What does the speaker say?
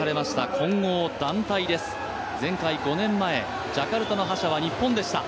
混合団体です、前回５年前ジャカルタの覇者は、日本でした。